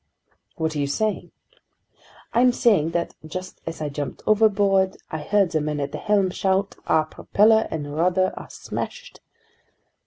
"What are you saying?" "I'm saying that just as I jumped overboard, I heard the men at the helm shout, 'Our propeller and rudder are smashed!